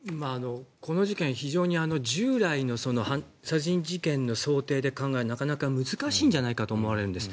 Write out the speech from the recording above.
この事件、非常に従来の殺人事件の想定で考えるのはなかなか難しいんじゃないかと思われます。